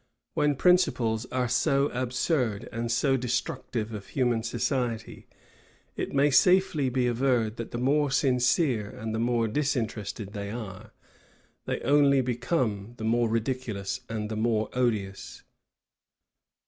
When principles are so absurd and so destructive of human society, it may safely be averred, that the more sincere and the more disinterested they are, they only become the more ridiculous and the more odious.